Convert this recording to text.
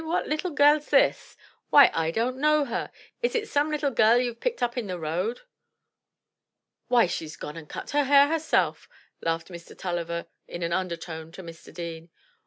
what little gelFs this? Why I don't know her. Is it some little gell you've picked up in the road?" "Why, she's gone and cut her hair herself," laughed Mr. Tulliver in an undertone to Mr. Deane.